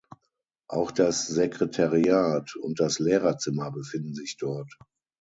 Auch das Sekretariat und das Lehrerzimmer befinden sich dort.